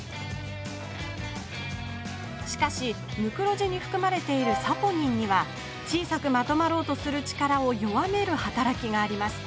しかしムクロジにふくまれているサポニンには小さくまとまろうとする力を弱める働きがあります。